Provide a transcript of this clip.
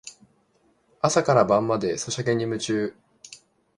朝から晩までソシャゲに夢中